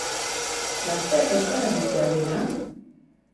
Gazteak euskaraz bizi al dira?